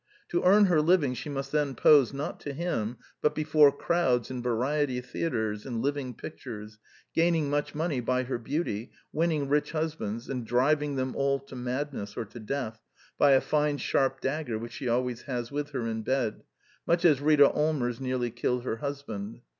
To earn her living she must then pose, not to him, but before crowds in Variety Theatres in living pictures, gaining much money by her beauty, winning rich husbands, and driving them all to madness or to death by '* a fine sharp dagger which she always has with her in bed," much as Rita Allmers nearly killed her husband.